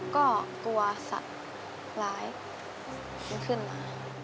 ก็กลัวสัตว์ร้ายมันขึ้นมา